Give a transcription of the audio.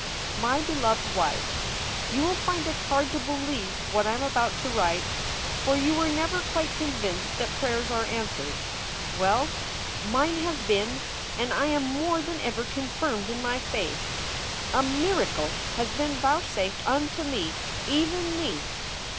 MY BELOVED WIFE, You will find it hard to believe what I am about to write, for you were never quite convinced that prayers are answered. Well, mine have been and I am more than ever confirmed in my faith. A miracle has been vouchsafed unto me, even me!